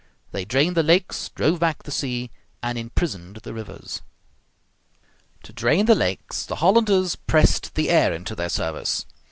They drained the lakes, drove back the sea, and imprisoned the rivers. To drain the lakes the Hollanders pressed the air into their service.